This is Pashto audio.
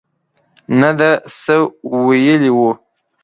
نه ده څه ویلي وو.